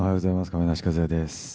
亀梨和也です。